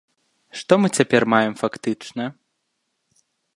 Што мы цяпер маем фактычна?